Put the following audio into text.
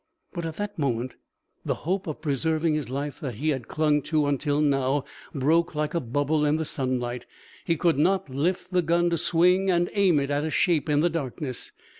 But at that moment the hope of preserving his life that he had clung to until now broke like a bubble in the sunlight. He could not lift the gun to swing and aim it at a shape in the darkness.